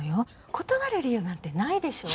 断る理由なんてないでしょう？